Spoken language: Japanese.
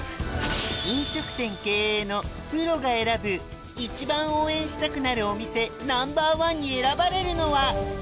飲食店経営のプロが選ぶ一番応援したくなるお店ナンバーワンに選ばれるのは？